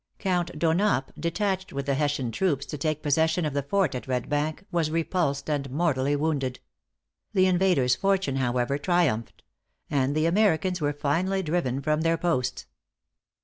Count Donop, detached with the Hessian troops to take possession of the fort at Red Bank, was repulsed and mortally wounded. The invader's fortune, however, triumphed; and the Americans were finally driven from their posts.